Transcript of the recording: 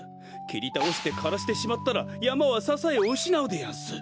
きりたおしてからしてしまったらやまはささえをうしなうでやんす。